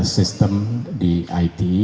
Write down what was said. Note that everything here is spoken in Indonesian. sistem di it